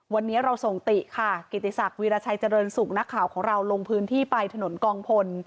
วันนี้เราส่งติค่ะกิติศักดิราชัยเจริญสุขนักข่าวของเราลงพื้นที่ไปถนนกองพล